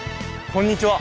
こんにちは。